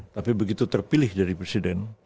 tapi begitu terpilih jadi presiden